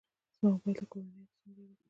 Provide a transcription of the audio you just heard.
زما موبایل ته کورنۍ عکسونه لرم.